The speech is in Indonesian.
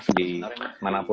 tapi idealnya berapa